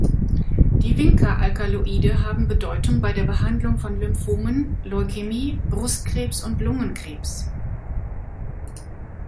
Die Vinca-Alkaloide haben Bedeutung bei der Behandlung von Lymphomen, Leukämie, Brustkrebs und Lungenkrebs.